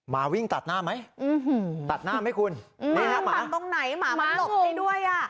มาวิ่งตัดหน้าไหมตัดหน้าไหมคุณนี่ฮะหมาตรงไหนหมามันหลบไปด้วยอ่ะ